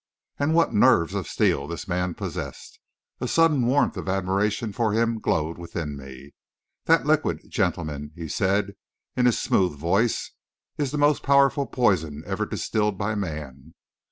And what nerves of steel this man possessed! A sudden warmth of admiration for him glowed within me. "That liquid, gentlemen," he said in his smooth voice, "is the most powerful poison ever distilled by man.